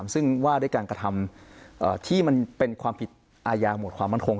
ซึ่งว่าด้วยการกระทำที่มันเป็นความผิดอาญาหมวดความมั่นคง